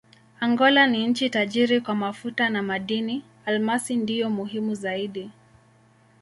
Angola ni nchi tajiri kwa mafuta na madini: almasi ndiyo muhimu zaidi.